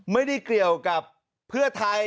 ไม่ได้เกี่ยวกับเพื่อไทย